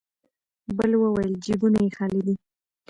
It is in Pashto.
بل وويل: جيبونه يې خالي دی.